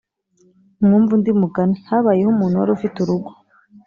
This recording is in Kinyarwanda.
“Mwumve undi mugani: Habayeho umuntu wari ufite urugo